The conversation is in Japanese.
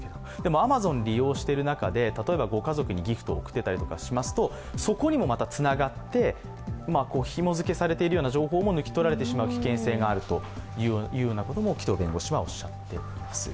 アマゾン利用している中で例えばご家族にギフトを贈っていたりしますとそこにもまたつながってひも付けされてるような情報も抜き取られてしまう危険性があるということも紀藤弁護士はおっしゃっています。